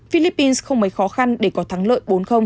philippines không mấy khó khăn để có thắng lợi bốn